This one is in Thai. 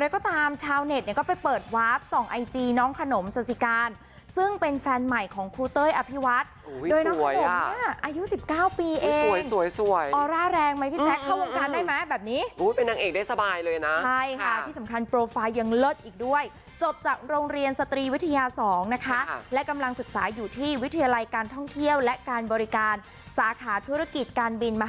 แล้วคุณเต้ยพิวัตรก็คือนี่เลยค่ะ